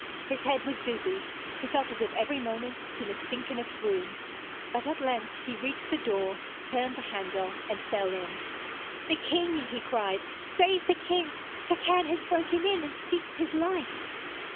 His head was dizzy, he felt as if every moment he must sink in a swoon; but at length he reached the door, turned the handle and fell in. 'The king!' he cried. 'Save the king! Turquine has broken in and seeks his life.'